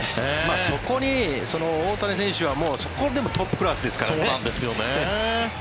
そこに大谷選手はそこでもトップクラスですからね。